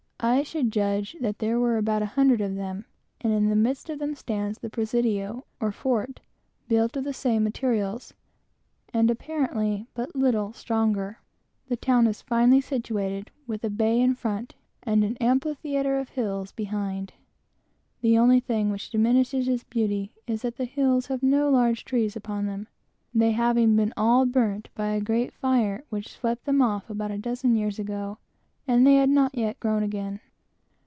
I should judge that there were about an hundred of them; and in the midst of them stands the Presidio, or fort, built of the same materials, and apparently but little stronger. The town is certainly finely situated, with a bay in front, and an amphitheatre of hills behind. The only thing which diminishes its beauty is, that the hills have no large trees upon them, they having been all burnt by a great fire which swept them off about a dozen years before, and they had not yet grown up again.